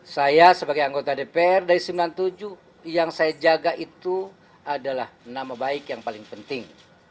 saya sebagai anggota dpr dari sembilan puluh tujuh yang saya jaga itu adalah nama baik yang paling penting